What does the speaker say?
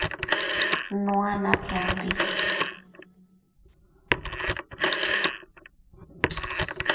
Nua natsiambi